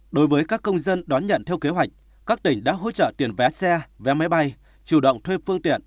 đối với các công dân đón nhận theo kế hoạch các tỉnh đã hỗ trợ tiền vé xe vé máy bay chủ động thuê phương tiện